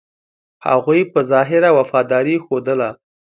هغوی په ظاهره وفاداري ښودله.